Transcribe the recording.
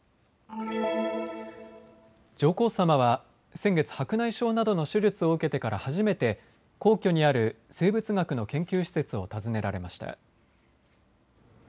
上皇さまは先月、白内障などの手術を受けてから初めて皇居にある生物学の研究施設を訪ねられました。